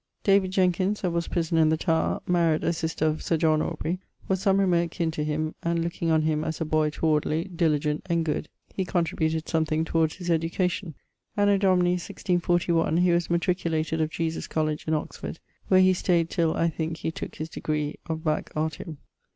David Jenkins, that was prisoner in the Tower (maried a sister of Sir John Aubrey), was some remote kin to him; and, looking on him as a boy towardly, diligent, and good, he contributed something towards his education. Anno Domini 164<1>, he was matriculated of Jesus College in Oxford, where he stayed till (I thinke) he tooke his degree of Bac. Artium.